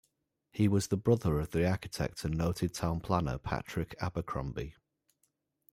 He was the brother of the architect and noted town planner, Patrick Abercrombie.